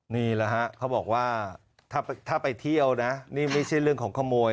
นี่แหละฮะเขาบอกว่าถ้าไปเที่ยวนะนี่ไม่ใช่เรื่องของขโมย